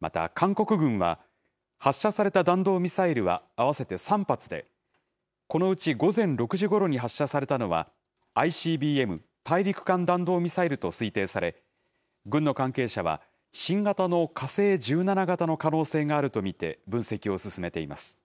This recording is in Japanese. また、韓国軍は、発射された弾道ミサイルは合わせて３発で、このうち午前６時ごろに発射されたのは、ＩＣＢＭ・大陸間弾道ミサイルと推定され、軍の関係者は、新型の火星１７型の可能性があると見て、分析を進めています。